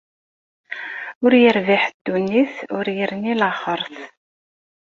Ur yerbiḥ ddunit ur yerni laxert.